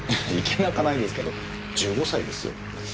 いけなかないですけど１５歳ですよ。